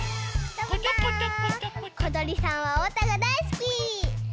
ことりさんはおうたがだいすき！